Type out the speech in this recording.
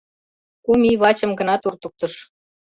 Кум И вачым гына туртыктыш.